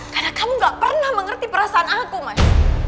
karena kamu nggak pernah mengerti perasaan aku mas